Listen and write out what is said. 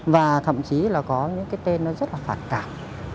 và thậm chí là có những cái tên nó rất là phản cảm